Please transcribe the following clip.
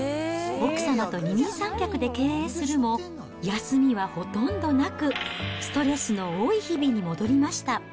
奥様と二人三脚で経営するも、休みはほとんどなく、ストレスの多い日々に戻りました。